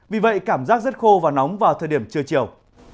vì vậy cảm giác rất khô và nóng vào thời điểm trưa chiều